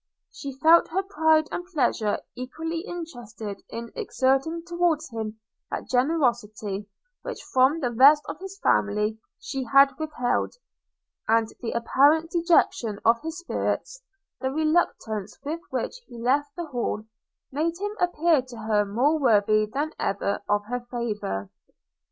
She felt her pride and pleasure equally interested in exerting towards him that generosity, which from the rest of his family she had withheld; and the apparent dejection of his spirits, the reluctance with which he left the Hall, made him appear to her more worthy than ever of her favour.